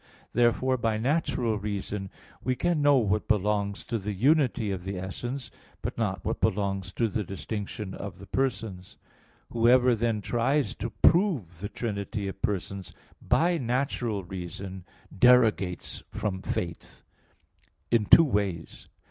Therefore, by natural reason we can know what belongs to the unity of the essence, but not what belongs to the distinction of the persons. Whoever, then, tries to prove the trinity of persons by natural reason, derogates from faith in two ways.